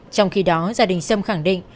trong khi đó gia đình sâm khẳng định